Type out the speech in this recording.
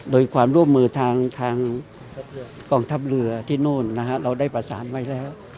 โดยความร่วมมือทางกองทัพเรือที่นู่นนะฮะเราได้ประสานไว้แล้ว